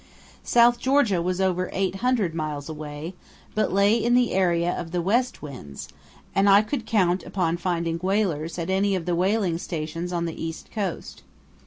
South Georgia was over 800 miles away, but lay in the area of the west winds, and I could count upon finding whalers at any of the whaling stations on the east coast.